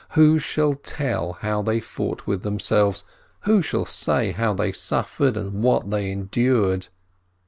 Who shall tell how they fought with themselves, who shall say how they suffered, and what they endured?